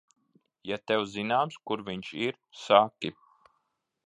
Ja tev zināms, kur viņš ir, saki.